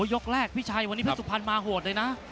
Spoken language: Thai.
ยกแรกพี่ชัยวันนี้เพชรสุพรรณมาโหดเลยนะ